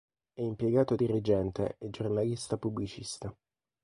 È impiegato dirigente e giornalista pubblicista.